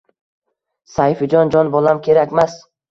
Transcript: “Sayfijon, jon bolam, kerakmas